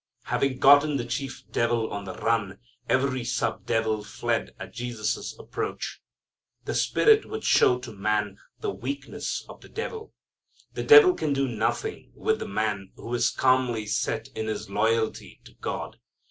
Having gotten the chief devil on the run, every sub devil fled at Jesus' approach. The Spirit would show to man the weakness of the devil. The devil can do nothing with the man who is calmly set in his loyalty to God.